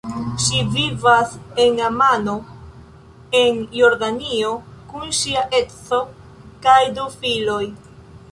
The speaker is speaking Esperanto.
Ŝi vivas en Amano, en Jordanio, kun ŝia edzo kaj du filoj.